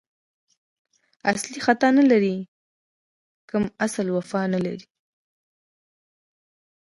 اصیل خطا نه لري، کم اصل وفا نه لري